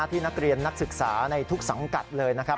ที่นักเรียนนักศึกษาในทุกสังกัดเลยนะครับ